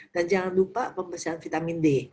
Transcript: dan jangan lupa pemeriksaan vitamin d